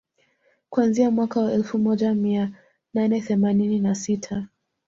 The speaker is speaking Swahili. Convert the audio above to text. Kuanzia mwaka wa elfu moja mia nane themanini na sita